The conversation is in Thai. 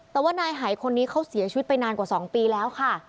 แต่ว่านายหายคนนี้เขาเสียชีวิตไปนานกว่า๒ปีแล้วค่ะ